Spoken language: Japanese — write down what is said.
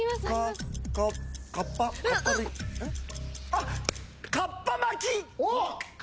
あっ！